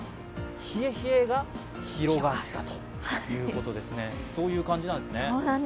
冷え冷えが広がったということですね、そういう感じなんですね。